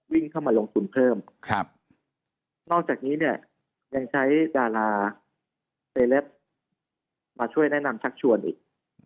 วิ่งเข้ามาลงฝุ่นเพิ่มนอกจากนี้ยังใช้ดาราเตรเลสมาช่วยแนะนำชักชวนอีก